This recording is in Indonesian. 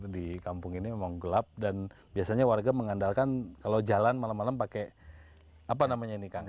di kampung ini memang gelap dan biasanya warga mengandalkan kalau jalan malam malam pakai apa namanya ini kang